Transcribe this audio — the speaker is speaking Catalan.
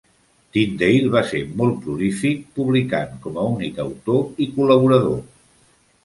Tindale va ser molt prolífic, publicant com a únic autor i col·laborador.